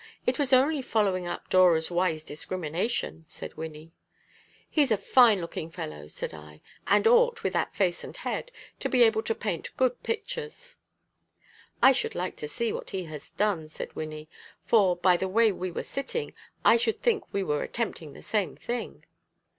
It was only following up Dora's wise discrimination," said Wynnie. "He is a fine looking fellow," said I, "and ought, with that face and head, to be able to paint good pictures." "I should like to see what he has done," said Wynnie; "for, by the way we were sitting, I should think we were attempting the same thing."